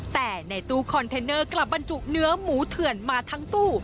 แต่ในตู้คอนเทนเนอร์กลับบรรจุเนื้อหมูเถื่อนมาทั้งตู้